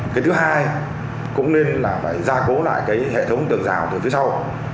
cái thứ hai cũng nên là phải ra cố lại cái hệ thống tường rào từ phía sau